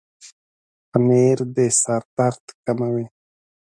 پنېر د سر درد کموي.